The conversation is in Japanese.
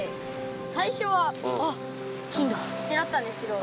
さいしょは「あっ金だ」ってなったんですけど。